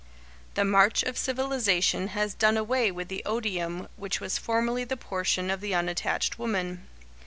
The march of civilisation has done away with the odium which was formerly the portion of the unattached woman.